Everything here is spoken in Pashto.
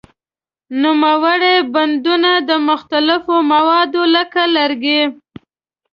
نوموړي بندونه د مختلفو موادو لکه لرګي.